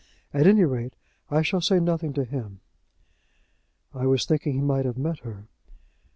At any rate, I shall say nothing to him." "I was thinking he might have met her."